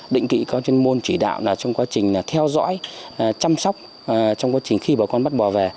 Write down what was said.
định kỵ có chuyên môn chỉ đạo trong quá trình theo dõi chăm sóc trong quá trình khi bà con bắt bò về